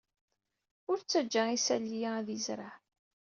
Ur ttajja isali-a ad yezreɛ.